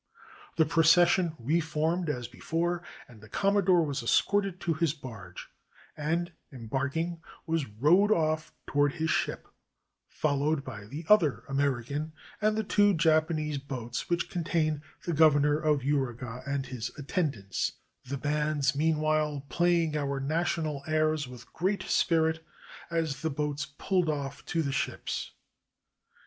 The procession re formed as before, and the Commo dore was escorted to his barge, and, embarking, was rowed off toward his ship, followed by the other Ameri can and the two Japanese ' boats which contained the Governor of Uraga and his attendants, the bands mean while playing our national airs with great spirit as the boats pulled off to the ships.